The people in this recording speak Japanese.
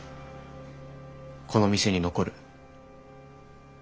この店に残る。